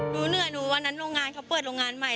หนูเหนื่อยหนูวันนั้นโรงงานเขาเปิดโรงงานใหม่